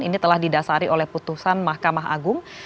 ini telah didasari oleh putusan mahkamah agung